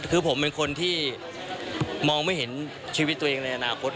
คือผมเป็นคนที่มองไม่เห็นชีวิตตัวเองในอนาคต